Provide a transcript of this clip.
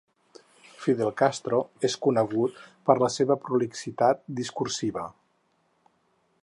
Fidel Castro és conegut per la seva prolixitat discursiva.